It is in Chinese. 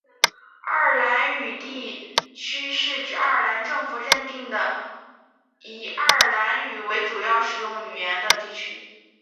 爱尔兰语地区是指爱尔兰政府认定的以爱尔兰语为主要使用语言的地区。